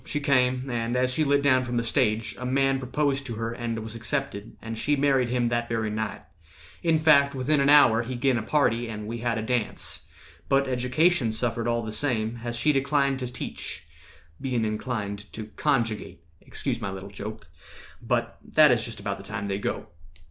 She came; and as she lit Down from the stage, a man proposed to her And was accepted, and she married him That very night; in fact, within an hour He gin a party, and we had a dance; But Education suffered all the same, As she declined to teach, bein' inclined To conjugate—excuse my little joke; But that is just about the time they go.